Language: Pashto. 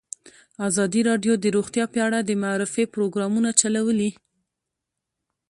ازادي راډیو د روغتیا په اړه د معارفې پروګرامونه چلولي.